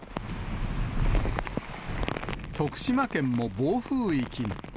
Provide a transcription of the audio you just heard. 徳島県も暴風域に。